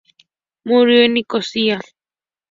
Murió en Nicosia.